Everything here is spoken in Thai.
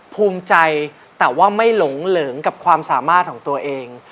ภูมิใจแต่ว่าไม่หลงเหลิงกับความสามารถของตัวเอง